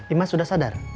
ima sudah sadar